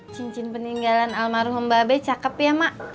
cincin peninggalan almarhum mbak abe cakep ya mak